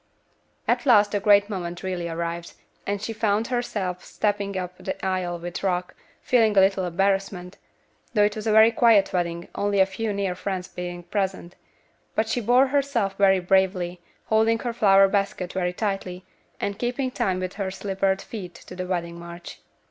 At last the great moment really arrived, and she found herself stepping up the aisle with Rock, feeling a little embarrassment, though it was a very quiet wedding, only a few near friends being present; but she bore herself very bravely, holding her flower basket very tightly, and keeping time with her slippered feet to the wedding march.